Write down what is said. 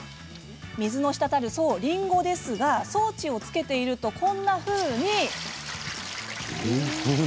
水の滴るりんごですが装置をつけているとこんなふうに。